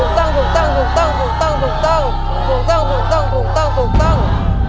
ถูกต้อง